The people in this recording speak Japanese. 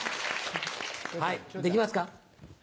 はいできますか？